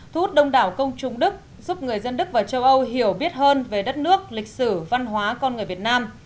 thu hút đông đảo công chúng đức giúp người dân đức và châu âu hiểu biết hơn về đất nước lịch sử văn hóa con người việt nam